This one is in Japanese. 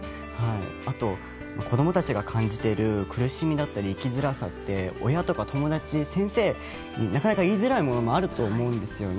あと、子供たちが感じている苦しみだったり生きづらさって親とか友達、先生になかなか言いづらいものもあると思うんですよね。